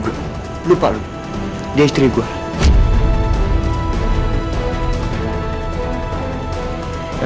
sampai jumpa di video selanjutnya